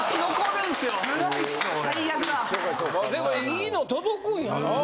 でもいいの届くんやな。